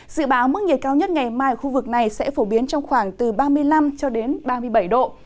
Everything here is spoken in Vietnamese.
dự báo mức nhiệt cao nhất ngày mai ở khu vực này sẽ phổ biến trong khoảng từ ba mươi năm cho đến ba mươi bảy độ